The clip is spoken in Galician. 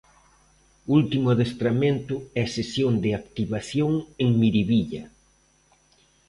Último adestramento e sesión de activación en Miribilla.